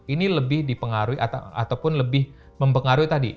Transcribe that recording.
ini lebih dipengaruhi ataupun lebih mempengaruhi tadi